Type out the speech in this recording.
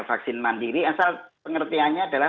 vaksin mandiri asal pengertiannya